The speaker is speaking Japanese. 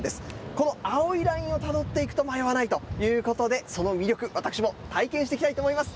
この青いラインをたどっていくと迷わないということで、その魅力、私も体験してきたいと思います。